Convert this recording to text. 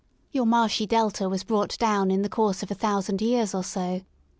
— Your marshy delta was brought down in the course of a thousand years or so.